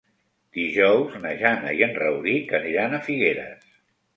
Dijous na Jana i en Rauric aniran a Figueres.